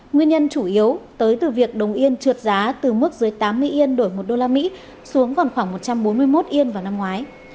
nguyên nhân chủ yếu tới từ việc đồng yên trượt giá từ mức dưới tám mươi yên đổi một đô la mỹ xuống còn khoảng một trăm bốn mươi một yên vào năm ngoái